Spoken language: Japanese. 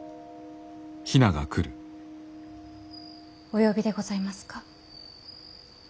お呼びでございますか。